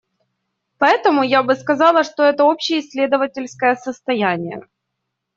Поэтому я бы сказала, что это общеисследовательское состояние.